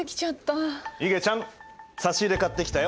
いげちゃん差し入れ買ってきたよ。